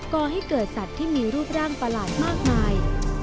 ก่อให้เกิดสัตว์ที่มีรูปร่างประหลาดมากมาย